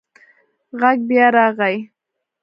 غږ بیا راغی.